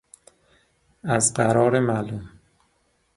ازقرار معلوم